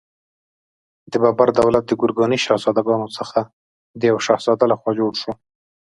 د بابر دولت د ګورکاني شهزادګانو څخه د یوه شهزاده لخوا جوړ شو.